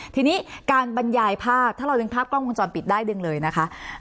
ทีนี้การบรรยายภาพถ้าเราดึงภาพกล้องวงจรปิดได้ดึงเลยนะคะ